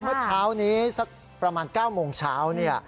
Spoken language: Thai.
เมื่อเช้านี้สักประมาณ๙โมงเช้า